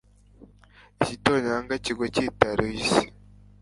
Igitonyanga kigwa cyitaruye isi